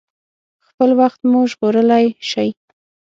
خپل وخت مو ژغورلی شئ.